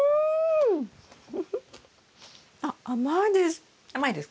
あっ甘いです。